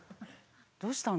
どうしたの？